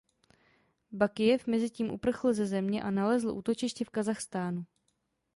Bakijev mezitím uprchl ze země a nalezl útočiště v Kazachstánu.